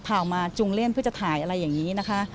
เอามาจุงเล่นเพื่อจะถ่ายอะไรอย่างนี้นะคะ